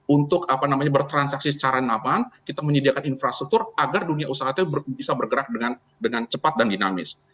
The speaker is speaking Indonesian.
untuk bertransaksi secara nyaman kita menyediakan infrastruktur agar dunia usaha itu bisa bergerak dengan cepat dan dinamis